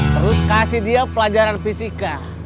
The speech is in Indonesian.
terus kasih dia pelajaran fisika